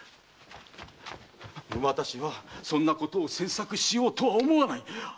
私はそんなことを詮索しようとは思わない！